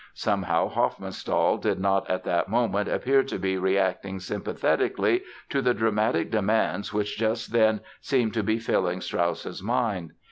Somehow Hofmannsthal did not at that moment appear to be reacting sympathetically to the dramatic demands which just then seemed to be filling Strauss's mind.